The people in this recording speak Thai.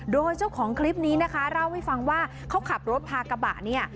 โดยเจ้าของคลิปนี้นะคะเล่าให้ฟังว่าเขาขับรถพากระบะเนี่ย